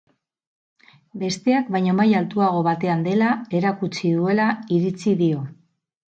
Besteak baino maila altuago batean dela erakutsi duela iritzi dio.